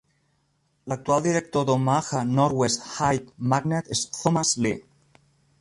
L'actual director d'Omaha Northwest High Magnet és Thomas Lee.